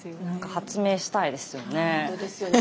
何か発明したいですよね。